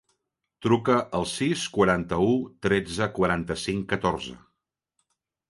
Truca al sis, quaranta-u, tretze, quaranta-cinc, catorze.